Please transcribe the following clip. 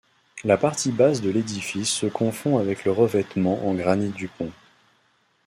La partie basse de l'édifice se confond avec le revêtement en granit du pont.